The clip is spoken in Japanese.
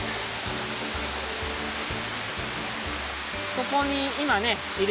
ここにいまねいる